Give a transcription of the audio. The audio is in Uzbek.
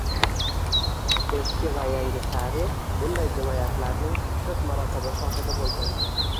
Eski va yangi tarix bunday jinoyatlarning ko‘p marotaba shohidi bo‘lgan.